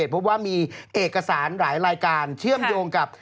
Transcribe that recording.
พบว่ามีเอกสารหลายรายการเชื่อมโยงกับ